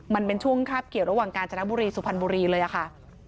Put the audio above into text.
มันเป็นช่วงคาบเกี่ยวระหว่างกาญจนบุรีสุพรรณบุรีเลยค่ะ